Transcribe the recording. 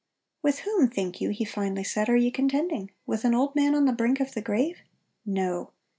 "With whom, think you," he finally said, "are ye contending? with an old man on the brink of the grave? No!